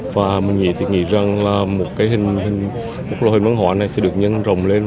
và mình nghĩ rằng là một cái loại hình văn hóa này sẽ được nhân rồng lên